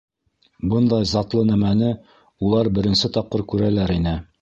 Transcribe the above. Бындай затлы нәмәне улар беренсе тапҡыр күрәләр ине.